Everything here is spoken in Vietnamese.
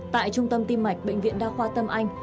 tại trung tâm tim mạch bệnh viện đa khoa tâm anh